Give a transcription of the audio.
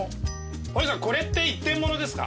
お姉さんこれって一点物ですか？